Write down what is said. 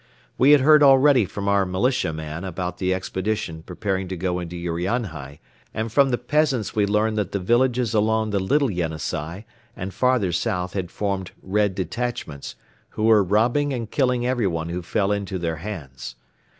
We had heard already from our militiaman about the expedition preparing to go into Urianhai and from the peasants we learned that the villages along the Little Yenisei and farther south had formed Red detachments, who were robbing and killing everyone who fell into their hands.